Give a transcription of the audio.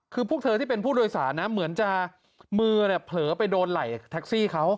คือพวกเธอที่เป็นผู้โดยสารนะเหมือนจะมือเผลอไปโดนไหล่แท็กซี่เขา